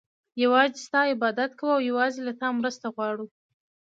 يوازي ستا عبادت كوو او يوازي له تا مرسته غواړو